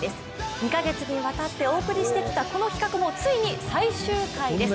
２か月にわたってお送りしてきたこの企画もついに最終回です。